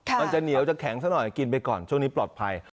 มันจะเหนียวจะแข็งซะหน่อยกินไปก่อนช่วงนี้ปลอดภัย